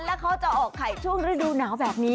แล้วเขาจะออกไข่ช่วงฤดูหนาวแบบนี้